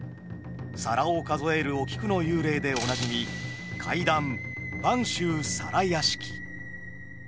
皿を数えるお菊の幽霊でおなじみ怪談「播州皿屋敷」。